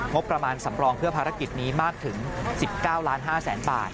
งบประมาณสำรองเพื่อภารกิจนี้มากถึง๑๙๕๐๐๐๐บาท